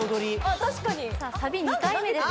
確かにさあサビ２回目ですあ